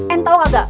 en tau kagak